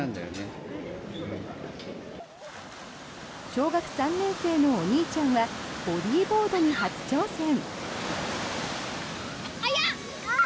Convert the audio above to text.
小学３年生のお兄ちゃんはボディーボードに初挑戦。